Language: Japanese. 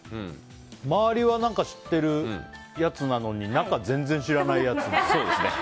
周りは知ってるやつなのに中、全然知らないやつ。